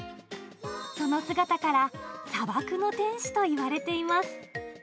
その姿から砂漠の天使といわれています。